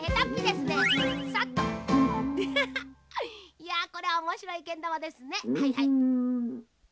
いやこれはおもしろいけんだまですね。